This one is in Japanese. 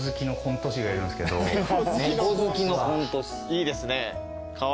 いいですね。